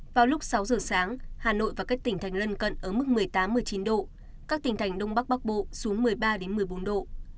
vào lúc sáu giờ sáng hà nội và các tỉnh thành lân cận ở mức một mươi tám một mươi chín độ các tỉnh thành đông bắc bắc bộ xuống một mươi ba một mươi bốn độ